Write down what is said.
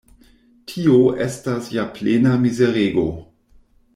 Tio estas ja plena mizerego!